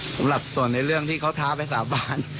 สำหรับส่วนในเรื่องที่เขาท้าไปสาบาน